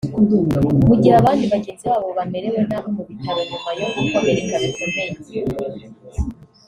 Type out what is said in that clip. mu gihe abandi bagenzi babo bamerewe nabi mu bitaro nyuma yo gukomereka bikomeye